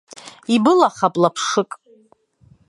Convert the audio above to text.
Ибылахап лаԥшык!